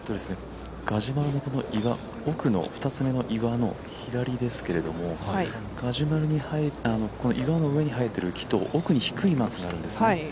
ガジュマルの奥の２つ目の岩の左ですけども、岩の上に生えている木と奥に低い木があるんですね。